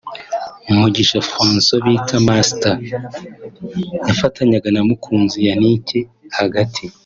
Mugisha Francois bita Master yafatanyaga na Mukunzi Yannick hagati